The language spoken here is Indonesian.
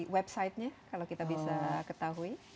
websitenya kalau kita bisa ketahui